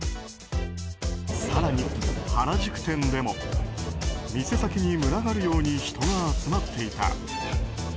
更に、原宿店でも店先に群がるように人が集まっていた。